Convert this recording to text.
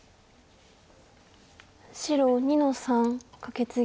白２の三カケツギ。